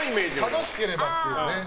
楽しければっていうね。